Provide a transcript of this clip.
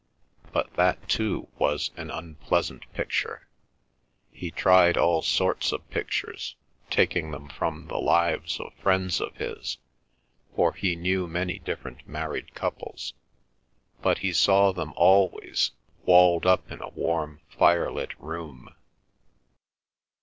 But that too, was an unpleasant picture. He tried all sorts of pictures, taking them from the lives of friends of his, for he knew many different married couples; but he saw them always, walled up in a warm firelit room.